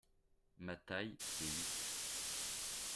Ma taille c’est huit.